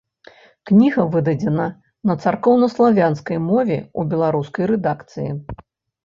Кніга выдадзена на царкоўнаславянскай мове ў беларускай рэдакцыі.